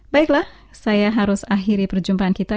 baiklah saya harus akhiri perjumpaan kita